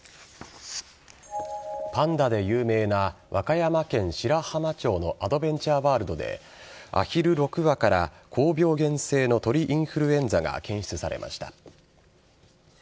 パンダで有名な和歌山県白浜町のアドベンチャーワールドでアヒル６羽から高病原性の鳥インフルエンザが検出されました。